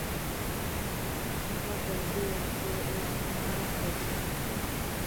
پخوا کرزی وو خو اوس نه کرزی دی.